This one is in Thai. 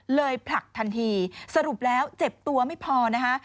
ผลักทันทีสรุปแล้วเจ็บตัวไม่พอนะคะ